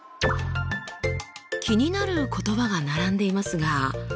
気になる言葉が並んでいますが。